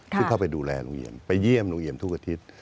ซึ่งเข้าไปดูแลลุงเอี่ยมไปเยี่ยมลุงเอี่ยมทุกอาทิตย์